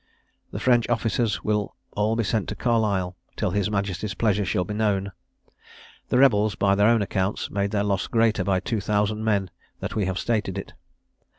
The French officers will be all sent to Carlisle, till his Majesty's pleasure shall be known. The rebels, by their own accounts, make their loss greater by two thousand men than we have stated it.